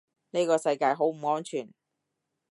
呢個世界好唔安全